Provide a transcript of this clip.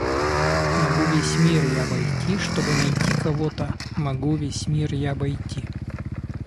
Могу весь мир я обойти, Чтобы найти кого-то Могу весь мир я обойти.